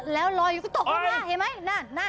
แล้วลอยอยู่ก็ตกลงมาเห็นไหม